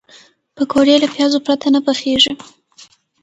پکورې له پیازو پرته نه پخېږي